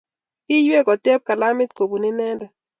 Kiiywei kotep kalamit kobun inendet.